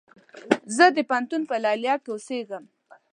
زه د پوهنتون په ليليه کې اوسيږم